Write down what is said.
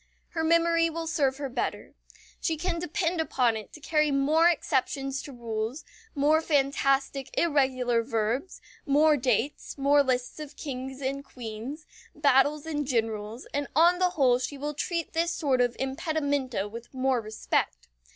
Her memory will serve her better. She can depend upon it to carry more exceptions to rules, more fantastic irregular verbs, more dates, more lists of kings and queens, battles and generals, and on the whole she will treat this sort of impedimenta with more respect.